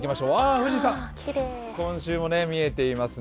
富士山、今週も見えていますね。